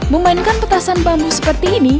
memainkan petasan bambu seperti ini